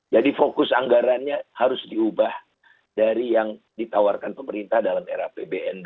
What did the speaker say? jadi fokus anggarannya harus diubah dari yang ditawarkan pemerintah dalam era apbn dua ribu dua puluh satu